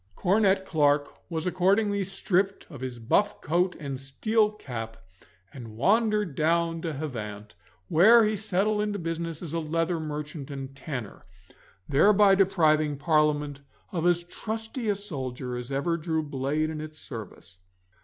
Cornet Clarke was accordingly stripped of his buff coat and steel cap, and wandered down to Havant, where he settled into business as a leather merchant and tanner, thereby depriving Parliament of as trusty a soldier as ever drew blade in its service.